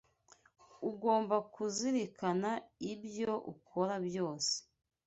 Ugomba kuzirikana ibyo ukora byose